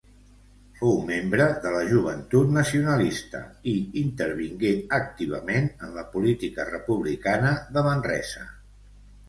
Fou membre de la Joventut Nacionalista i intervingué activament en la política republicana de Manresa.